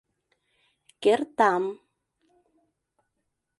Кертам...